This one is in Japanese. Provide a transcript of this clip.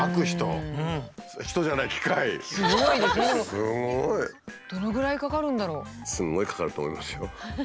すんごいかかると思いますよ。